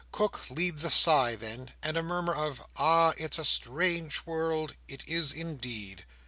Cook leads a sigh then, and a murmur of "Ah, it's a strange world, it is indeed!"